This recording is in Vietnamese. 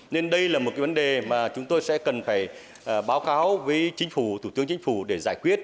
nên đây là một cái vấn đề mà chúng tôi sẽ cần phải báo cáo với chính phủ thủ tướng chính phủ để giải quyết